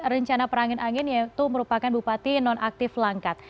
rencana perangin angin yaitu merupakan bupati nonaktif langkat